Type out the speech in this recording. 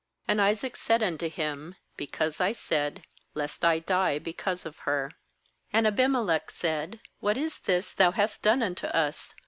And Isaac said unto Mm: 'Because I said: Lest I die because of her.' 10And Abimelech said :' What is tMs thou hast done unto us?